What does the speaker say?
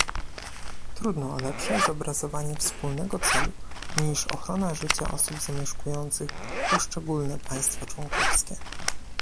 Trudno o lepsze zobrazowanie wspólnego celu niż ochrona życia osób zamieszkujących poszczególne państwa członkowskie